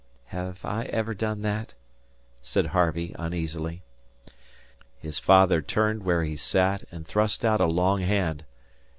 "Have I ever done that?" said Harvey, uneasily. His father turned where he sat and thrust out a long hand.